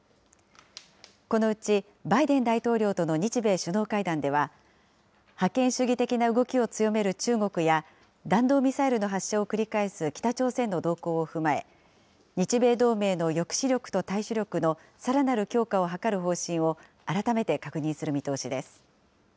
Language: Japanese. このうち、バイデン大統領との日米首脳会談では、覇権主義的な動きを強める中国や、弾道ミサイルの発射を繰り返す北朝鮮の動向を踏まえ、日米同盟の抑止力と対処力のさらなる強化を図る方針を改めて確認する見通しです。